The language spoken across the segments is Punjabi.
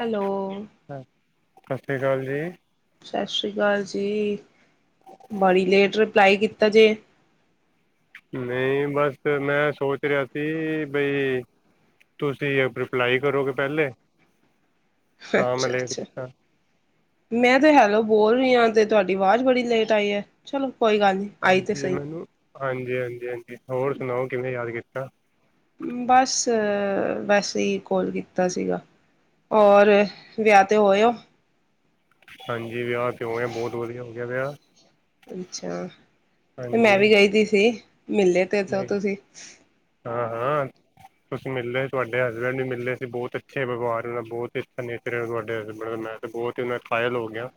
ਹੈਲੋ ਸਤਿ [inaudible] ਅਕਾਲ ਜੀ ਸਤਿ ਸ੍ਰੀ ਅਕਾਲ ਜੀ ਬੜੀ ਲੇਟ ਰਿਪਲਾਈ ਕੀਤਾ ਜੇ ਨਹੀਂ ਬਸ ਮੈਂ ਸੋਚ ਰਿਹਾ ਸੀ ਬਈ ਤੁਸੀਂ ਰਿਪਲਾਈ ਕਰੋਗੇ ਪਹਿਲੇ ਤਾਂ ਮੈਂ ਅੱਛਾ ਲੇਟ ਅੱਛਾ ਕੀਤਾ ਮੈਂ ਤੇ ਹੈਲੋ ਬੋਲ ਰਹੀ ਹਾਂ ਤੇ ਤੁਹਾਡੀ ਆਵਾਜ਼ ਬੜੀ ਲੇਟ ਆਈ ਹੈ ਚਲੋ ਕੋਈ ਗੱਲ ਨਹੀਂ ਆਈ ਤਾਂ ਹਾਂਜੀ ਸਹੀ ਮੈਨੂੰ ਹਾਂਜੀ ਹਾਂਜੀ ਹਾਂਜੀ ਹੋਰ ਸੁਣਾਓ ਕਿਵੇਂ ਯਾਦ ਕੀਤਾ ਬਸ ਵੈਸੇ ਹੀ ਕੋਲ ਕੀਤਾ ਸੀਗਾ ਔਰ ਵਿਆਹ ਤੇ ਹੋਏਓ ਹਾਂਜੀ ਵਿਆਹ ਕਿਉ ਗਿਆ ਬਹੁਤ ਵਧੀਆ ਹੋ ਗਿਆ ਵਿਆਹ ਅੱਛਾ ਤੇ ਮੈਂ ਹਾਂਜੀ ਵੀ ਗਈ ਤ ਸੀ ਮਿਲਲੇ ਤੇ ਸੋ ਨਹੀਂ ਤੁਸੀਂ ਹਾਂ ਹਾਂ ਤੁਸੀਂ ਮਿਲਲੇ ਤੁਹਾਡੇ ਹਸਬੈਂਡ ਵੀ ਮਿਲਲੇ ਸੀ ਬਹੁਤ ਅੱਛੇ ਵਿਵਹਾਰ ਦਾ ਬਹੁਤ ਹੀ ਅੱਛਾ ਨੇਚਰ ਤੁਹਾਡੇ ਹਸਬੈਂਡ ਦਾ ਮੈਂ ਬਹੁਤ ਹੀ ਉਹ ਦਾ ਖਾਇਲ ਹੋ ਗਿਆ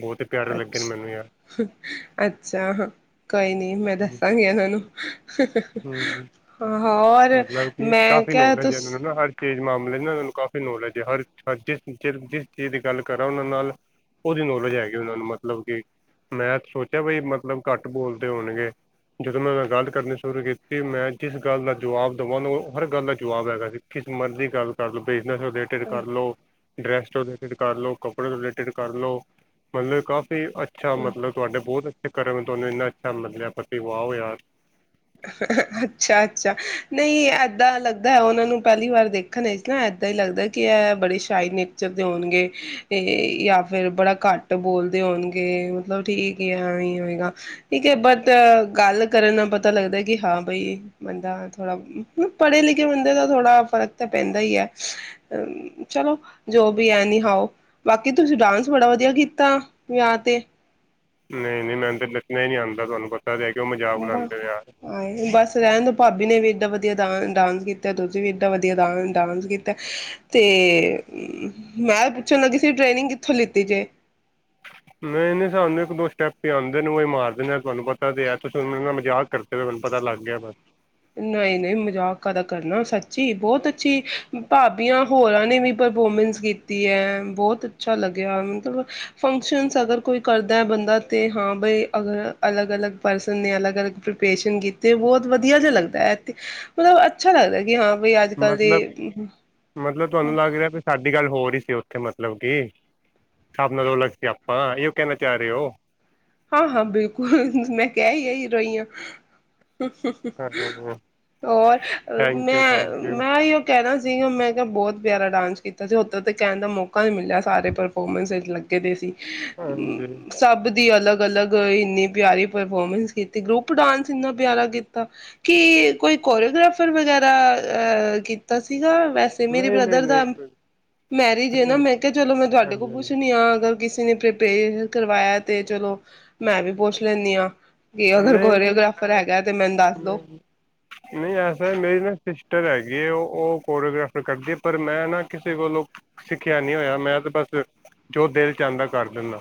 ਬਹੁਤ ਹੀ ਪਿਆਰੇ ਲੱਗੇ ਅੱਛ ਨੇ ਮੈਨੂੰ ਯਾਰ ਅੱਛਾ ਹਾਂ ਕੋਈ ਨੀ ਮੈਂ ਦੱਸਾਂਗੀ ਉਹਾਨੂੰ ਹੂੰ ਹਾਂ ਹੋਰ ਮਤਲਬ ਕਿ ਮੈਂ ਕਾਫੀ ਕਿਹਾ ਤੁ ਨੌਲੇਜ ਹੈ ਇਹਨਾਂ ਨੂੰ ਨਾ ਹਰ ਚੀਜ਼ ਮਾਮਲੇ ਨਾ ਉਹਨਾਂ ਨੂੰ ਕਾਫੀ ਨੌਲੇਜ ਹੈ ਹਰ ਹ ਜਿਸ ਜਿਸ ਚੀਜ਼ ਦੀ ਗੱਲ ਕਰਾਂ ਉਹਨਾਂ ਨਾਲ ਉਹਦੀ ਨੌਲੇਜ ਹੈਗੀ ਉਹਨਾਂ ਨੂੰ ਮਤਲਬ ਕਿ ਮੈਂ ਸੋਚਿਆ ਬਈ ਮਤਲਬ ਘੱਟ ਬੋਲਦੇ ਹੋਣਗੇ ਜਦੋਂ ਮੈਂ ਗੱਲ ਕਰਨੀ ਸ਼ੁਰੂ ਕੀਤੀ ਮੈਂ ਜਿਸ ਗੱਲ ਦਾ ਜਵਾਬ ਦੇਵਾਂ ਉਹਨੂੰ ਹਰ ਗੱਲ ਦਾ ਜਵਾਬ ਹੈਗਾ ਸੀ ਕਿਸ ਮਰਜ਼ੀ ਗੱਲ ਕਰ ਲਵ ਬਿਜਨਸ ਰਿਲੇਟਿਡ ਕਰ ਲਓ ਡਰੈਸ ਤੋਂ ਰਿਲੇਟਿਡ ਕਰ ਲਉ ਕੱਪੜੇ ਤੋਂ ਰਿਲੇਟਿਡ ਕਰ ਲਉ ਮਤਲਬ ਕਾਫ ਅੱਛਾ ਮਤਲਬ ਤੁਹਾਡੇ ਬਹੁਤ ਕਰ ਤੁਹਾਨੂੰ ਇੰਨਾ ਅੱਛਾ ਮਤਲ ਲਿਆ ਪਸੀ ਵ ਆਓ ਯਾਰ ਅੱਛਾ ਅੱਛਾ ਨਹੀਂ ਏਦਾਂ ਲੱਗਦਾ ਹੈ ਉਹਨਾਂ ਨੂੰ ਪਹਿਲੀ ਵਾਰ ਦੇਖਣ ਵਿੱਚ ਨਾ ਏਦਾਂ ਹੀ ਲੱਗਦਾ ਕਿ ਇਹ ਬੜੇ ਸ਼ਾਈ ਨੇਚਰ ਦੇ ਹੋਣਗੇ ਜਾਂ ਫਿਰ ਬੜਾ ਘੱਟ ਬੋਲਦੇ ਹੋਣਗੇ ਮਤਲਬ ਠੀਕ ਆ ਹੋਏਗਾ ਠੀਕ ਹੈ ਬਟ ਗੱਲ ਕਰਨ ਦਾ ਪਤਾ ਪਤਾ ਲੱਗਦਾ ਕਿ ਹਾਂ ਬਈ ਬੰਦਾ ਥੋੜਾ ਪੜ੍ਹੇ ਲਿਖੇ ਬੰਦੇ ਦਾ ਥੋੜਾ ਫ਼ਰਕ ਤਾਂ ਪੈਂਦਾ ਹੀ ਹੈ ਚਲੋ ਜੋ ਵੀ ਐ ਨੀ ਹਓ ਬਾਕੀ ਤੁਸੀਂ ਡਾਂਸ ਬੜਾ ਵਧੀਆ ਕੀਤਾ ਵਿਆਹ ਤੇ ਨਹੀਂ ਨਹੀਂ ਮੈਂ ਤੇ ਲਣਾ ਹੀ ਨੀ ਆਉਂਦਾ ਤੁਹਾਨੂੰ ਪਤਾ ਤੇ ਹੈ ਕਿਉਂ ਮਜ਼ਾਕ ਉਡਾਂਦੇ ਹੋ ਯਾਰ ਆਏ ਬਸ ਰਹਿਣ ਦ ਭਾਬੀ ਨੇ ਵੀ ਏਡਾਂ ਵਧੀਆ ਡਾਂਸ ਕੀਤਾ ਤੁਸੀਂ ਵੀ ਇਏਡਾਂ ਵਧੀਆ ਡਾਂਸ ਕੀਤਾ ਤੇ ਮੈਂ ਪੁੱਛਣ ਲ ਕਿਸੇ ਟ੍ਰੇਨਿੰਗ ਕਿੱਥੋਂ ਲਿੱਤੀ ਜੇ ਨਹੀਂ ਨਹੀਂ ਸਂਦੇ ਇੱਕ ਦੋ ਸਟੈਪ ਆਉਂਦੇ ਮਾਰਦੇ ਨੇ ਤੁਹਾਨੂੰ ਪਤਾ ਤੇ ਤੁਸੀਂ ਮਜ਼ਾਕ ਕਰਤੇ ਤੁਨੂੰ ਪਤਾ ਲੱਗ ਗਿਆ ਬ ਨਹੀਂ ਨਹੀਂ ਮਜ਼ਾਕਦਾ ਕਰਨਾ ਸੱਚੀ ਬਹੁਤ ਅੱਛੀ ਭਾਬੀਆਂ ਹੋਰਾਂ ਨੇ ਵੀ ਪਰਫੋਰਮੈਂਸ ਕੀਤੀ ਹੈ ਬਹੁਤ ਅੱਛਾ ਲੱਗਿਆ ਮਤਲਬ ਫੰਕਸ਼ਨ ਅਗਰ ਕੋਈ ਕਰਦਾ ਹੈ ਬੰਦਾ ਤੇ ਹਾਂ ਬਈ ਅਗਰ ਅਲੱਗ ਅਲੱਗ ਪਰਸਨ ਨੇ ਅਲੱਗ ਅਲੱਗ ਪ੍ਰਪਰੇਸ਼ਨ ਕੀਤੇ ਬਹੁਤ ਵੀਆ ਵਧੀਆ ਜਿਹਾ ਲੱਗਦਾ ਹੈ ਮਤਲਬ ਅੱਛਾ ਲੱਗਦਾ ਕਿ ਹਾਂ ਬਈ ਅੱਜ ਕੱਲ੍ਹ ਮਤਲਬ ਦੇ ਮਤਲਬ ਤੁਹਾਨੂੰ ਲੱਗ ਰਿਹਾ ਵੀ ਸਾਡੀ ਗੱਲ ਹੋ ਹੋਹੀ ਸੀ ਉੱਥੇ ਮਤਲਬ ਕਿ ਹਾਬ ਨਾਲ ਅਲੱਗ ਸੀ ਆਪਾਂ ਇਹ ਕਹਿਣਾ ਚਾਹ ਰਹੇ ਹੋ ਹਾਂ ਹਾਂ ਬਿਲਕੁਲ ਮੈਂ ਕਿਹਾਹਿ ਹੀਈ ਆ ਹੀ ਰੋਈਆਂ ਹਾਂ ਹੋਰ ਥੈਂਕ ਯੂ ਥੈਂਕ ਮੈਂ ਯੂ ਮੈਂ ਹੀ ਉਹ ਕਹਿਣਾ ਸੀਗਾ ਮੈਂ ਕਿਹਾ ਬਹੁਤ ਪਿਆਰਾ ਡਾਂਸ ਕੀਤਾ ਸੀ ਉੱਦੋਂ ਤਾਂ ਕਹਿਣ ਦਾ ਮੌਕਾ ਨਹੀਂ ਮਿਲਿਆ ਸਾਰੇ ਪਰਫੋਰਮੈਂਸ ਲੱਗੇ ਦੇ ਸੀ ਹਾਂਜੀ ਸਭ ਦੀ ਅਲੱਗ ਅਲੱਗ ਇੰਨੀ ਪਿਆਰੀ ਪਰਫੋਰਮੈਂਸ ਕੀਤੀ ਗਰੁੱਪ ਡਾਂਸ ਇੰਨਾ ਪਿਆਰਾ ਕੀਤਾ ਕਿ ਕੋਈ ਕੋਰੀਓਗ੍ਰਾਫਰ ਵਗੈਰਾ ਕੀਤਾ ਸੀਗਾ ਵੈਸੇ ਮੇਰੀ ਨਹੀਂ ਨਹੀਂ ਬ੍ਰਦਰ ਨਹੀਂ ਦਾ ਕੋਈ ਮੈਰਿਜ ਹੈ ਨਹੀਂ ਨਾ ਮੈਂ ਕਿਹਾ ਚਲੋ ਮੈਂ ਤੁਹਾਡੇ ਹਾਂਜੀ ਕੋਲ ਹਾਂਜੀ ਪੁੱਛਣੀ ਆਾਂ ਅਗਰ ਕਿਸੇ ਨੇ ਪ੍ਰਪੇ ਕਰਵਾਇਆ ਅਤੇ ਚਲੋ ਮੈਂ ਵੀ ਪੁੱਛ ਲੈਂਦੀ ਹਾਂ ਕਿ ਅਗਰ ਨਹੀਂ ਕੋਰੀਓਗ੍ਰਾਫਰ ਹੈਗਾ ਤੇ ਮੈਨੂੰ ਦੱਸ ਦੋ ਨਹੀਂ ਨਹੀਂ ਐਸਾ ਮੇਰੀ ਨਾ ਸਿਸਟਰ ਹੈਗੀ ਹੈਗੇ ਉਹ ਉਹ ਕੋਰੀਓਗ੍ਰਾਫਰ ਕਰਦੇ ਪਰ ਮੈਂ ਨਾ ਕਿਸੇ ਕੋਲੋਂ ਸਿੱਖਿਆ ਨੀ ਹੋਇਆ ਮੈਂ ਤਾਂ ਬਸ ਜੋ ਦਿਲ ਚਾਂਦਾ ਕਰ ਦਿੰਦਾ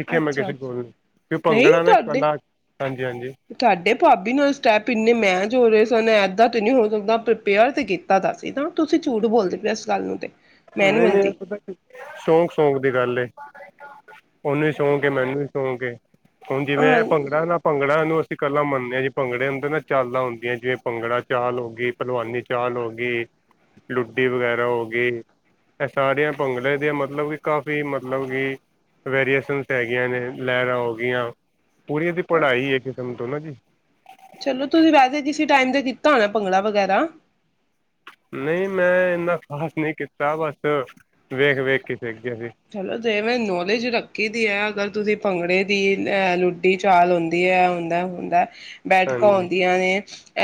ਸਿੱਖਿਆ ਮੈਂ ਅੱਛਾ ਕਿਸੇ ਕੋਲ ਨੂੰ ਕਿ ਨਹੀਂ ਭੰਗੜਾ ਨੇ ਤੁਹਾਡੇ ਕਲਾ ਹਾਂਜੀ ਹਾਂਜੀ ਤੁਹਾਡੇ ਭਾਬੀ ਨਾਲ ਸਟੈਪ ਇੰਨੇ ਮਹਿਜ ਹੋ ਰਹੇ ਕਿਸ ਨੇ ਇੱਦਾਂ ਤਾਂ ਨਹੀਂ ਹੋ ਸਕਦਾ ਪ੍ਰੀਪੇਅਰ ਤਾਂ ਕੀਤਾ ਤਾਂ ਸੀ ਨਾ ਤੁਸੀਂ ਝੂਠ ਬੋਲਦੇ ਪਏ ਇਸ ਗੱਲ ਨੂੰ ਤਾਂ ਨਹੀਂ ਨਹੀਂ ਇਹ ਪਤਾ ਸ਼ੌਕ ਸ਼ੌਂਕ ਦੀ ਗੱਲ ਉਹਨੂੰ ਸੌਕ ਮੈਨੂੰ ਵੀ ਸੌਕ ਹੁਣ ਹਾਂ ਜਿਵੇਂ ਭੰਗੜਾ ਨਾ ਭੰਗੜਾ ਨੂੰ ਅਸੀਂ ਗੱਲਾਂ ਮੰਨਦੇ ਹਾਂ ਜੀ ਭੰਗੜੇ ਹੁੰਦੇ ਨਾ ਚਾਲਾਂ ਹੁੰਦੀਆਂ ਜਿਵੇਂ ਭੰਗੜਾ ਚਾਲ ਹੋ ਗਈ ਭਲਵਾਨੀ ਚਾਲ ਹੋ ਗਈ ਲੁੱਡੀ ਵਗੈਰਾ ਹੋ ਗਈ ਇਹ ਸਾਰੀਆਂ ਭੰਗੜੇ ਦੀਆਂ ਮਤਲਬ ਕਿ ਕਾਫ਼ੀ ਮਤਲਬ ਕਿ ਵੇਰੀਏਸ਼ਨਸ ਹੈਗੀਆਂ ਨੇ ਲਹਿਰਾਂ ਹੋ ਗਈਆਂ ਪੂਰੀਆਂ ਦੀ ਪੜ੍ਹਾਈ ਹੈ ਕਿਸਮ ਦੋ ਨਾ ਜੀ ਚਲੋ ਤੁਸੀਂ ਵੈਸੇ ਕਿਸੇ ਟਾਈਮ ਤੇ ਕੀਤਾ ਹੋਣਾ ਭੰਗੜਾ ਵਗੈਰਾ ਨਹੀਂ ਮੈਂ ਇੰਨਾ ਖ਼ਾਸ ਨਹੀਂ ਕੀਤਾ ਬਸ ਵੇਖ ਵੇਖ ਕੇ ਸਿੱਖ ਗਿਆ ਸੀ ਚਲੋ ਤੇ ਮੈਂ ਨੌਲੇਜ ਰੱਖੀ ਦੀ ਹੈ ਅਗਰ ਤੁਸੀਂ ਭੰਗੜੇ ਦੀ ਅ ਲੁੱਡੀ ਚਾਲ ਹੁੰਂਦੀ ਹੈ ਹੁੰਦਾ ਹੁੰਦਾ ਬੈਠਕਾਂ ਹਾਂਜੀ ਆਉਂਦੀਆਂ ਨੇ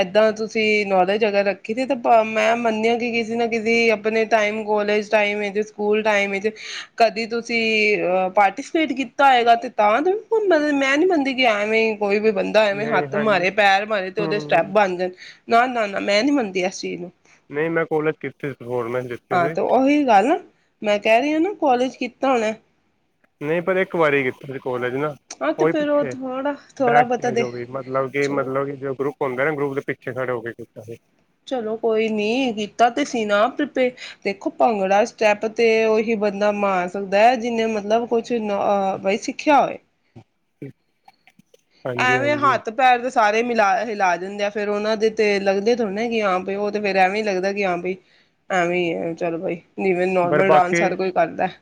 ਏਦਾਂ ਤੁਸੀਂ ਨੌਲੇਜ ਅਗਰ ਰੱਖ ਕਿਤੇ ਤਾਂ ਮੈਂ ਮੰਨਦੀ ਹਾਂ ਕਿ ਕਿਸੇ ਨਾ ਕਿਸੇ ਆਪਣੇ time college time school time ਵਿੱਚ ਕਦੀ ਤੁਸੀਂ ਪਾਰਟੀਸਪੇਟ ਕੀਤਾ ਹੈਏਗਾ ਅਤੇ ਤਾਂ ਮਲ ਮੈਂ ਨਹੀਂ ਮੰੰਦੀ ਕਿ ਐਵੇਂ ਕੋਈ ਵੀ ਬੰਦਾ ਐਵੇਂ ਨਹੀਂ ਹੱਥ ਹਾਂਜੀ ਮਾਰੇ ਪੈਰ ਮਾਰੇ ਤੇ ਉਹਦੇ ਸਟੈਪ ਹਮ ਬਣ ਜਾਣ ਨਾ ਨਾ ਨਾ ਮੈਂ ਨੀ ਮੰਨਦੀ ਇਸ ਚੀਜ਼ ਨੂੰ। ਨਹੀਂ ਮੈਂ ਕੋਲਜ ਕੀਤੀ ਸੀ ਪਰਫੋਰਮੈਂਸ ਦਿੱਤੀ ਹਾਂ ਸੀ ਤੇ ਉਹੀ ਗੱਲ ਆ। ਮੈਂ ਕਹਿ ਰਹੀ ਆ ਨਾ ਕਾਲਜ ਕੀਤਾ ਹੁਨਾ। ਨਹੀਂ ਪਰ ਇੱਕ ਵਾਰੀ ਕੀਤਾ। ਕੋਲੇਜ ਨਾ ਹਾਂ ਤੇ ਉਹੀ ਫੇਰ ਉਹ ਪਿੱਛੇ ਥੋੜਾ ਥੋੜਾ ਬੈਕ ਬਹੁਤਾ ਸਟੇਜ ਦੇ ਹੋ ਗਈ। ਮਤਲਬ ਕਿ ਮਤਲਬ ਕਿ ਜੋ ਗਰੁੱਪ ਹੁੰਦਾ ਨਾ ਗਰੁੱਪ ਦੇ ਪਿੱਛੇ ਖੜੇ ਹੋ ਕੇ ਕੀਤਾ ਸੀ। ਚਲੋ ਕੋਈ ਨੀ ਕੀਤਾ ਤੇ ਸੀ ਨਾ ਪੇ ਦੇਖੋ ਭੰਗੜਾ ਸਟੈਪ ਤੇ ਉਹੀ ਬੰਦਾ ਮਾਰ ਸਕਦਾ ਐ। ਜਿਹਨੇ ਮਤਲਬ ਕੋਈ ਅ ਬਾਈ ਸਿੱਖਿਆ ਹੋਵੇ। [unintelligible] ਹਾਂਜੀ ਐਵੇਂ ਹਾਂਜੀ ਹੱਥ ਪੈਰ ਦੇ ਸਾਰੇ ਮਿਲਾ ਹਿਲਾ ਦਿੰਦੇ ਆ ਫਿਰ ਉਹਨਾਂ ਦੇ ਤੇ ਲੱਗਦੇ ਥੋੜੇ ਕਿ ਹਾਂ ਵੀ ਉਹ ਤੇ ਫਿਰ ਐਵੇਂ ਲੱਗਦਾ ਕਿ ਹਾਂ ਬਾਈ ਐਵੇਂ ਈ ਆ ਚੱਲ ਬਾਈ। ਜਿਵੇਂ ਪਰ ਨੋਰਮਲ ਬਾਕੀ ਡਾਂਸ ਹਰ ਕੋਈ ਕਰਦਾ ਹੈ।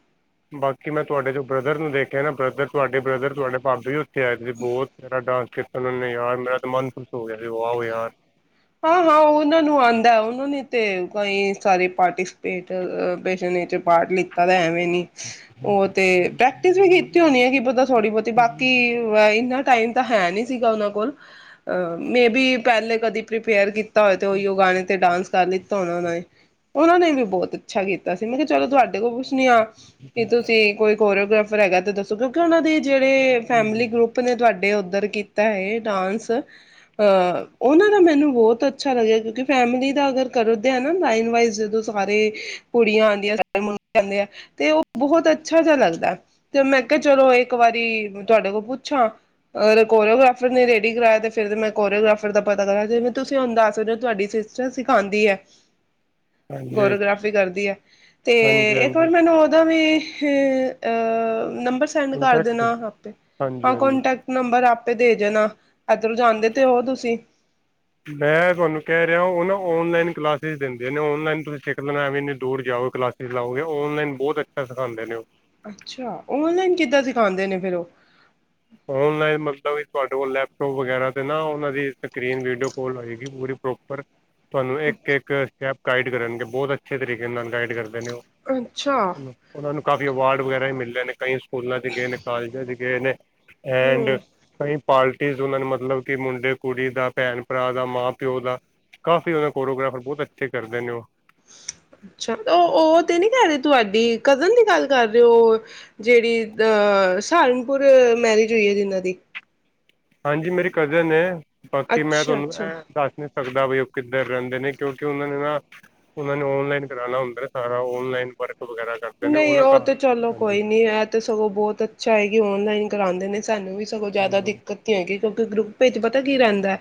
ਬਾਕੀ ਮੈਂ ਤੁਹਾਡੇ ਜੋ ਬ੍ਰਦਰ ਨੂੰ ਦੇਖਿਆ ਨਾ ਬ੍ਰਦਰ ਤੁਹਾਡੇ ਬ੍ਰਦਰ ਤੁਹਾਡੇ ਭਾਬੀ ਉਹ ਕਹਿੰਦੇ ਬਹੁਤ ਪਿਆਰਾ ਡਾਂਸ ਕੀਤਾ ਉਹਨਾਂ ਨੇ ਯਾਰ ਮੇਰਾ ਤੇ ਮਨ ਖ਼ੁਸ਼ ਹੋ ਗਿਆ ਸੀ, ਵਾਓ ਯਾਰ। ਹਾਂ ਹਾਂ ਉਹਨਾਂ ਨੂੰ ਆਉਂਦਾ ਐ। ਉਹਨਾਂ ਨੇ ਤੇ ਕਈ ਸਾਰੇ ਪਾਰਟੀਸਪੇਟ [unintelligible] ਪਾਰਟ ਲਿੱਤਾ ਤਾਂ ਐਵੇ [unintelligible] ਉਹ ਤੇ ਪ੍ਰੈਕਟਿਸ ਵੀ ਕੀਤੀ ਹੋਣੀ ਹੈ ਕੀ ਪਤਾ ਥੋੜੀ ਬਹੁਤੀ ਬਾਕੀ ਇਹੀ ਨਾ ਟਾਈਮ ਤਾਂ ਹੈ ਨਹੀਂ ਸੀਗਾ ਉਹਨਾਂ ਕੋਲ, ਅਹ, ਮੇਬੀ ਪਹਿਲੇ ਕਦੀ ਪ੍ਰੀਪੇਅਰ ਕੀ ਧਏ ਤੇ ਉਹੀ ਗਾਣੇ ਤੇ ਡਾਂਸ ਕਰ ਲਈ [unintelligible] ਉਹਨਾਂ ਨੇ ਵੀ ਬਹੁਤ ਅੱਛਾ ਕੀਤਾ ਸੀ। ਮੈਂ ਕਿਹਾ ਚਲੋ ਤੁਹਾਡੇ ਦੇਖੋ ਕੁਛ ਨਹੀਂ ਆ ਕਿ ਤੁਸੀਂ ਕੋਈ ਕੋਰਿਓਗ੍ਰਾਫਰ ਹੈਗਾ ਤੇ ਦੱਸੋ ਕਿਉਂਕਿ ਉਹਨਾਂ ਦੇ ਜਿਹੜੇ ਫੈਮਿਲੀ ਹਾਂਜੀ ਗਰੁੱਪ ਨੇ ਤੁਹਾਡੇ ਉਹ ਕੀਤਾ ਹੈ ਡਾਂਸ ਅਹ ਉਹਨਾਂ ਮੈਨੂੰ ਬਹੁਤ ਅੱਛਾ ਲੱਗਿਆ ਕਿਉਂਕਿ ਫੈਮਲੀ ਦਾ ਅਗਰ ਕਰਦੇ ਆ ਨਾ ਲਾਈਨ ਵਾਈਸ ਜਦੋਂ ਸਾਰੇ ਕੁੜੀਆਂ ਆਂਦੀਆਂ ਸਾਰੇ ਮੁੰਡੇ ਆਉਂਦੇ ਆ, ਤੇ ਉਹ ਬਹੁਤ ਅੱਛਾ ਜਿਹਾ ਲੱਗਦਾ ਤੇ ਮੈਂ ਕਿਹਾ ਚਲੋ ਇੱਕ ਵਾਰੀ ਤੁਹਾਡੇ ਕੋਲ ਪੁੱਛਾਂ ਅਗਰ ਕੋਰੀਓਗ੍ਰਾਫਰ ਨੇ ਰੇਡੀ ਕਰਵਾਇਆ ਤੇ ਫਿਰ ਮੈਂ ਕੋਰੀਓਗ੍ਰਾਫਰ ਦਾ ਪਤਾ ਕਰ ਜਿਵੇਂ ਤੁਸੀਂ ਹੁਣ ਦੱਸ ਸਕਦੇ ਓ, ਤੁਹਾਡੀ ਸਿਸਟਰ ਸਿਖਾਉਂਦੀ ਐ। ਹਾਂਜੀ ਕੋਰਿਓਗ੍ਰਾਫੀ ਕਰਦੀ ਐ ਤੇ ਇੱਕ ਹਾਂਜੀ ਵਾਰ ਮੈਨੂੰ ਉਹਦਾ ਇਹ ਅ ਨੰਬਰ ਸੈਂਡ ਕਰ ਦੇਣਾ ਕੰਟੈਕਟ ਆਪੇ। ਹਾਂਜੀ ਹਾਂ ਹਾਂਜੀ ਕਾਂਟੈਕਟ ਨੰਬਰ ਆ ਆਪੇ ਦੇ ਦੇਣਾ। ਇੱਧਰੋਂ ਜਾਂਦੇ ਤੇ ਹੋ ਤੁਸੀਂ। ਮੈਂ ਤੁਹਾਨੂੰ ਕਹਿ ਰਿਹਾ ਉਹ ਨਾ ਔਨਲਾਈਨ ਕਲਾਸਿਸ ਦਿੰਦੇ ਨੇ। ਔਨਲਾਈਨ ਤੁਸੀਂ ਸਿਖ ਲੈਣਾ ਐਵੇਂ ਇੰਨੀ ਦੂਰ ਜਾਓਗੇ, ਕਲਾਸਿਸ ਲਾਓਗੇ ਔਨਲਾਈਨ ਬਹੁਤ ਅੱਛਾ ਸਿਖਾਉਂਦੇ ਨੇ ਉਹ। ਅੱਛਾ ਆਨਲਾਈਨ ਕਿੱਦਾਂ ਸਿਖਾਉਦੇ ਨੇ ਫਿਰ ਉਹ? ਔਨਲਾਈਨ ਮਤਲਬ ਵੀ ਤੁਹਾਡੇ ਕੋਲ ਲੈਪਟੋਪ ਵਗੈਰਾ ਤੇ ਨਾ ਉਹਨਾਂ ਦੀ ਸਕਰੀਨ ਵੀਡੀਓ ਕੋਲ ਹੋਏਗੀ, ਪੂਰੀ ਪ੍ਰੋਪਰ। ਤੁਹਾਨੂੰ ਇੱਕ ਇੱਕ ਸਟੈਪ ਗਾਈਡ ਕਰਨਗੇ ਬਹੁਤ ਅੱਛੇ ਤਰੀਕੇ ਨਾਲ ਗਾਈਡ ਕਰ ਕਰਦੇ ਨੇ ਉਹ, ਅੱਛਾ ਉਹਨਾਂ ਨੂੰ ਕਾਫੀ ਅਵਾਰਡ ਵਗੈਰਾ ਹੀ ਮਿਲ ਨੇ ਕਈ ਸਕੂਲਾਂ ਗਏ ਨੇ ਕਾਲਜਾਂ ਚ ਗਏ ਨੇ। ਐਂਡ ਹੂੰ ਕਈ ਪਾਰਟੀ। ਉਹਨਾਂ ਨੂੰ ਮਤਲਬ ਕਿ ਮੁੰਡੇ ਕੁੜੀ ਦਾ ਭੈਣ ਭਰਾ ਦਾ ਮਾਂ ਪਿਓ ਦਾ ਕਾਫੀ ਉਹ ਫੋਟੋਗ੍ਰਾਫਰ ਬਹੁਤ ਅੱਛੇ ਕਰਦੇ ਨੇ ਉਹ। ਅੱਛਾ ਉਹ ਉਹ ਤੇ ਨੀ ਕਹਿ ਰਹੇ ਤੁਹਾਡੀ ਕਜ਼ਨ ਦੀ ਗੱਲ ਕਰ ਰਹੇ ਹੋ। ਜਿਹੜੀ ਅਹ ਸਹਾਰਨਪੁਰ ਮੈਰਿਜ ਹੋਈ ਹੈ ਜਿਨਾਂ ਦੀ। ਹਾਂਜੀ ਮੇਰੀ ਕਜ਼ਨ ਐ। ਬਾਕੀ ਮੈਂ ਅੱਛਾ ਤੁਹਾਨੂੰ ਅੱਛਾ ਇਹ ਦੱਸਦੇ। ਸਕਦਾ ਵੀ ਉਹ ਕਿੱਧਰ ਰਹਿੰਦੇ ਨੇ ਕਿਉਂਕਿ ਉਹਨਾ ਨੇ ਨਾ ਉਹਨਾ ਨੇ ਓਨਲਾਈਨ ਕਰਾਉਣਾ ਹੁੰਦਾ ਸਾਰਾ ਆਨਲਾਈਨ ਵਰਕ। ਵਗੈਰਾ ਕਰਦੇ ਨੇ ਨਹੀਂ ਨਾ ਉਹ ਤੇ ਘਰ ਚਲੋ ਹਾਂਜੀ ਕੋਈ ਨੀ ਇਹ ਤੇ ਸਗੋਂ ਬਹੁਤ ਅੱਛਾ ਹੈਗੀ ਓਨਲਾਈਨ। ਕਰਾਉਂਦੇ ਨੇ ਸਾਨੂੰ ਵੀ। ਸਗੋਂ ਜ਼ਿਆਦਾ ਹੂੰ ਦਿੱਕਤ ਨਹੀਂ ਹੈਗੀ। ਕਿਉਂਕਿ ਗਰੁੱਪ ਪਤਾ ਕੀ ਰਹਿੰਦਾ ਹੈ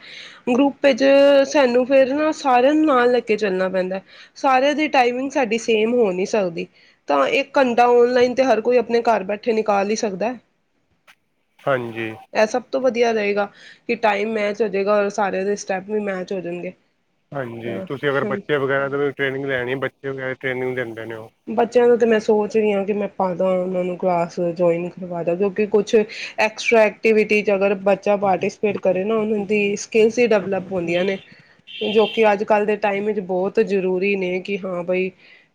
ਗਰੁੱਪ ਵਿੱਚ ਸਾਨੂੰ ਫਿਰ ਨਾ ਸਾਰਿਆਂ ਨੂੰ ਨਾਲ ਲੈ ਕੇ ਚੱਲਣਾ ਪੈਂਦਾ ਸਾਰਿਆਂ ਦੀ ਟਾਈਮਿੰਗ ਸਾਡੀ ਸੇਮ ਹੋ ਨੀ ਸਕਦੀ। ਤਾਂ ਇੱਕ ਘੰਟਾ ਔਨਲਾਈਨ 'ਤੇ ਹਰ ਕੋਈ ਆਪਣੇ ਘਰ ਬੈਠੇ ਨਿਕਾਲ ਹੀ ਸਕਦਾ। ਹਾਂਜੀ। ਇਹ ਸਭ ਤੋਂ ਵਧੀਆ ਰਹੇਗਾ ਕਿ ਟਾਈਮ ਮੈਚ ਹੋ ਜਾਏਗਾ ਔਰ ਸਾਰੇ ਦੇ ਸਟੈਪ ਵੀ ਮੈਚ ਹੋ ਜਾਣਗੇ। ਹਾਂਜੀ ਤੁਸੀਂ ਅਗਰ ਹਾਂ ਬੱਚੇ ਵਗੈਰਾ ਨੂੰ ਵੀ੍ ਟ੍ਰੇਨਿੰਗ ਲੈਣੀ ਬੱਚੇ ਵਗੈਰਾ। ਟ੍ਰੇਨਿੰਗੀ ਲੈਣੀ। ਬੱਚਿਆਂ ਨੂੰ। ਮੈਂ ਸੋਚ ਰਹੀ ਹਾਂ। ਕਿ ਮੈਂ ਪਾਦਾ ਉਹਨਾਂ ਨੂੰ ਕਲਾਸ ਜੁਆਇਨ ਕਰਵਾ ਦਾ ਕਿਉਂਕਿ ਕੁਛ ਐਕਸਟਰਾ ਐਕਟੀਵਿਟੀ 'ਚ ਅਗਰ। ਬੱਚਾ ਪਾਰਟੀਸਪੇਟ ਕਰੇ ਨਾ ਉਹਨਾਂ ਦੀ ਸਕਿੱਲਸ ਹੀ ਡਿਵਲਪ ਹੁੰਦੀਆਂ ਨੇ ਜੋ ਕਿ ਅੱਜ ਕੱਲ੍ਹ ਦੇ ਟਾਈਮ ਵਿੱਚ ਬਹੁਤ ਜ਼ਰੂਰੀ ਨੇ। ਕਿ ਹਾਂ ਬਾਈ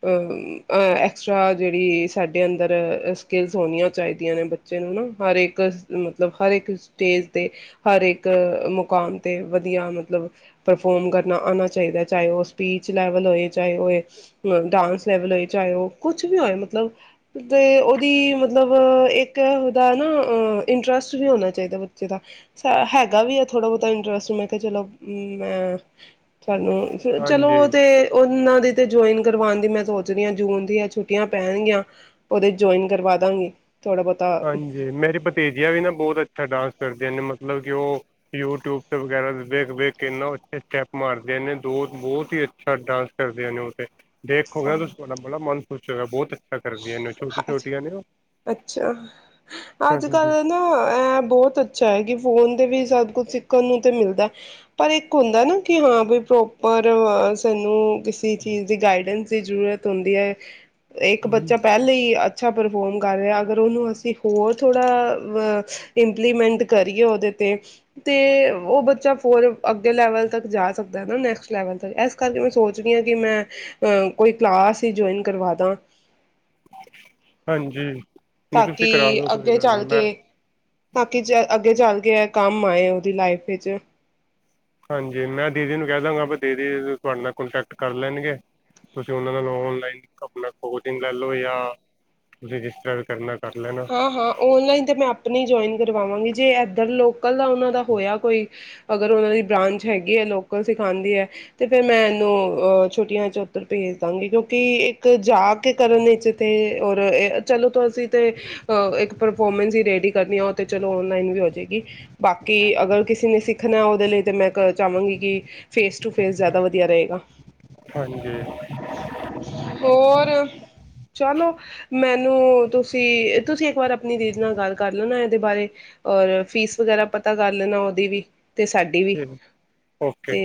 ਅਹ [unintelligible] ਐਕਸਟਰਾ ਜਿਹੜੀ ਸਾਡੇ ਅੰਦਰ ਸਕਿੱਲਸ ਹੋਣੀਆਂ ਚਾਹੀਦੀਆਂ ਨੇ ਬੱਚੇ ਨੂੰ ਨਾ ਹਰੇ ਇੱਕ ਮਤਲਬ ਹਰ ਇੱਕ ਸਟੇਜ 'ਤੇ ਹਰ ਇੱਕ ਮੁਕਾਮ 'ਤੇ ਵਧੀਆ ਮਤਲਬ ਪਰਫੋਰਮ ਕਰਨਾ ਆਉਣਾ ਚਾਹੀਦਾ ਚਾਹੇ ਉਹ ਸਪੀਚ ਲੈਵਲ ਹੋਏ ਚਾਹੇ ਉਹ ਡਾਂਸ ਲੈਵਲ ਹੋਏ। ਚਾਹੇ ਉਹ ਕੁਛ ਵੀ ਹੋਏ ਮਤਲਬ ਅਤੇ ਉਹਦੀ ਮਤਲਬ ਇੱਕ ਉਹਦਾ ਨਾ ਇੰਟਰਸਟ ਵੀ ਹੋਣਾ ਚਾਹੀਦਾ ਬੱਚੇ ਦਾ ਹੈਗਾ ਵੀ ਹੈ। ਥੋੜ੍ਹਾ ਬਹੁਤਾ ਇੰਟਰਸਟ ਮੈਂ ਕਿਹਾ ਚਲੋ। ਹਮ ਮੈਂ ਤੁਹਾਨੂੰ ਚਲੋ ਹਾਂਜੀ ਉਹਦੇ ਉਹਨਾਂ ਤੇ ਜੁਇਨ ਕਰਵਾਉਣ ਦੀ ਮੈਂ। ਜਿਹੜੀਆਂ ਜੂਨ ਦੀਆਂ ਛੁੱਟੀਆਂ ਪੈਣਗੀਆਂ ਉਹਦੇ ਜੁਆਇਨ ਕਰਵਾ ਦਾਂਗੀ। ਥੋੜ੍ਹਾ ਹਾਂਜੀ ਮੇਰੀ ਭਤੀਜੀਆ ਵੀ ਨਾ ਬਹੁਤ ਅੱਛਾ ਡਾਂਸ। ਕਰਦਿਆਂ ਨੇ ਮਤਲਬ ਕਿ ਉਹ ਯੂਟਿਊਬ ਤੇ ਵਗੈਰਾ ਵੇਖ ਵੇਖ ਇਨਾ ਅੱਛੇ ਸਟੈਪ ਮਾਰਦਿਆ ਨੇ ਦੋ ਬਹੁਤ ਹੀ ਅੱਛਾ ਡਾਂਸ ਕਰਦੇਆਂ ਨੇ ਉੱਥੇ। ਦੇਖੋਗੇ ਨਾ ਤੁਸੀਂ ਬਹੁਤਾ ਤੁਹਾਡਾ ਆਪਣਾ ਮਨ। ਕੁੱਛ ਜਗਾ ਬਹੁਤ ਹੈ। ਕਿਆ ਕਰਦੀਆਂ ਨੇ ਇਹਨ ਛੋਟੀ ਛੋਟੀਆਂ ਨੇ ਉਹ ਅੱਛਾ ਅੱਜ ਹਾਂਜੀ ਕੱਲ ਨਾ ਇਹ ਬਹੁਤ ਅੱਛਾ ਹੈ ਕਿ ਫੋਨ ਤੇ ਵੀ ਸ। ਕੁਛ ਸਿੱਖਣ ਨੂੰ ਤੇ ਮਿਲਦਾ ਪਰ ਇੱਕ ਹੁੰਦਾ ਨਾ ਕਿ ਹਾਂ ਬਈ ਪ੍ਰੋਪਰ ਸਾਨੂੰ ਕਿਸੇ ਚੀਜ਼ ਦੀ ਗਾਈਡੈਂਸ ਦੀ ਜ਼ਰੂਰਤ ਹੁੰਦੀ ਹੈ ਇੱਕ ਬੱਚਾ ਪਹਿਲੇ ਹੀ ਅਧ ਅੱਛਾ ਪਰਫੋਰਮ ਕਰ ਰਿਹਾ ਅਗਰ ਉਹਨੂੰ ਅਸੀਂ ਹੋਰ ਥੋੜ੍ਹਾ ਅ ਇੰਪਲੀਮੈਂਟ ਕਰੀਏ ਉਹਦੇ ਤੇ ਤੇ ਉਹ ਬੱਚਾ ਫਰ ਅੱਗੇ ਲੈਵਲ ਤੱਕ ਜਾ ਸਕਦਾ ਹੈ ਨਾ ਨੈਕਸਟ ਲੈਵਲ ਤੱਕ ਇਸ ਕਰਕੇ ਮੈਂ ਸੋਚ ਰਹੀ ਹਾਂ ਕਿ ਮੈਂ ਕੋਈ ਕਲਾਸ ਹੀ ਜੁਆਇਨ ਕਰਵਾ ਦਾਂ ਹਾਂਜੀ ਨਹੀਂ ਤਾਂ ਤੁਸੀਂ ਕਰਾ ਕਿ ਦੋ ਕੋਈ ਅੱਗੇ ਗੱਲ ਚੱਲ ਨਹੀਂ ਕੇ ਮੈਂ ਤਾਂਕੇ ਅੱਗੇ ਚੱਲ ਕਿ ਇਹ ਕੰਮ ਆਏ ਉਹਦੀ ਲਾਈਫ ਵਿੱਚ ਹਾਂਜੀ ਮੈਂ ਦੀਦੀ ਨੂੰ ਕਹਿ ਦਾਂਗਾ ਦੀਦੀ ਤੁਹਾਡੇ ਨਾਲ ਕੋਂਟੈਕਟ ਕਰ ਲੈਣਗੇ ਤੁਸੀਂ ਉਹਨਾਂ ਨਾਲ ਔਨਲਾਈਨ ਆਪਣਾ ਕੋਚਿੰਗ ਲੈ ਲਓ ਜਾਂ ਤੁਸੀਂ ਜਿਸ ਤਰ੍ਹਾਂ ਵੀ ਕਰਨਾ ਕਰ ਲੈਣਾ ਹਾਂ ਹਾਂ ਓਨਲਾਈਨ ਤੇ ਮੈਂ ਆਪਣੀ ਜੁਆਇਨ ਕਰ ਕਰਵਾਵਾਂਗੇ ਜੇ ਇੱਧਰ ਲੋਕ ਕੱਲਾ ਉਹਨਾਂ ਦਾ ਹੋਇਆ ਕੋਈ ਅਗਰ ਉਹਨਾਂ ਦੀ ਬ੍ਰਾਂਚ ਹੈਗੀ ਹੈ ਲੋਕਲ ਸਿਖਾਉਦੀ ਹੈ ਤਾਂ ਫਿਰ ਮੈਂ ਇਹਨੂੰ ਛੁੱਟੀਆਂ 'ਚ ਉੱਧਰ ਭੇਜ ਦਾਂਗੀ ਕਿਉਂਕਿ ਇੱਕ ਜਾ ਕੇ ਕਰਨ ਵਿੱਚ ਤੇ ਔਰ ਇਹ ਚਲੋ ਤੁਸੀਂ ਤੇ ਅ ਇੱਕ ਪਰਫੋਰਮੈਂਸ ਹੀ ਰੇਡੀ ਕਰਨੀ ਆ ਉਹ ਤੇ ਚਲੋ ਓਨਲਾਈਨ ਵੀ ਹੋ ਜਾਏਗੀ ਬਾਕੀ ਅਗਰ ਕਿਸੇ ਨੇ ਸਿੱਖਣੇ ਉਹ ਦੇ ਲਈ ਤੇ ਮੈਂ ਚਾਹਵਾਂਗੀ ਕਿ ਫੇਸ ਟੂ ਫੇਸ ਜਿਆਦਾ ਵਧੀਆ ਰਹੇਗਾ ਹਾਂਜੀ ਹੋਰ ਚਲੋ ਮੈਨੂੰ ਤੁਸੀਂ ਤੁਸੀਂ ਇੱਕ ਵਾਰ ਆਪਣੀ ਦੀਦੀ ਨਾਲ ਗੱਲ ਕਰ ਲੈਣਾ ਇਹਦੇ ਬਾਰੇ ਔਰ ਫੀਸ ਵਗੈਰਾ ਪਤਾ ਕਰ ਲੈਣਾ ਉਹਦੀ ਵੀ ਤੇ ਸਾਡੀ ਵੀ ਓਕੇ ਤੇ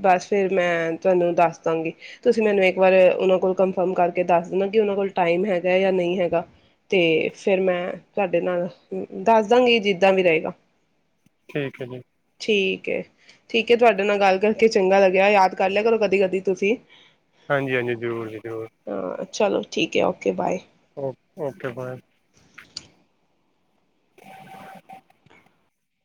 ਬਸ ਫਿਰ ਮੈਂ ਤੁਹਾਨੂੰ ਦੱਸ ਦਵਾਂਗੀ ਤੁਸੀਂ ਮੈਨੂੰ ਇੱਕ ਵਾਰ ਉਹਨਾਂ ਕੋਲ ਕੰਨਫਰਮ ਕਰਕੇ ਦੱਸ ਦੇਣਾ ਕਿ ਉਹਨਾਂ ਕੋਲ ਟਾਈਮ ਹੈਗਾ ਜਾਂ ਨਹੀਂ ਹੈਗਾ ਤੇ ਫਿਰ ਮੈਂ ਤੁਹਾਡੇ ਨਾਲ ਦੱਸ ਦਾਂਗੀ ਜਿੱਦਾਂ ਵੀ ਰਹੇਗਾ ਠੀਕ ਹੈ ਜੀ ਠੀਕ ਹੈ ਠੀਕ ਹੈ ਤੁਹਾਡੇ ਨਾਲ ਗੱਲ ਕਰਕੇ ਚੰਗਾ ਲੱਗਿਆ ਯਾਦ ਕਰ ਲਿਆ ਕਰੋ ਕਦੀ ਕਦੀ ਤੁਸੀਂ ਹਾਂਜੀ ਹਾਂਜੀ ਜ਼ਰੂਰ ਜੀ ਜ਼ਰੂਰ ਹਾਂ ਚਲੋ ਠੀਕ ਹੈ ਓਕੇ ਬਾਏ ਕਿਰਪਾ ਹੈ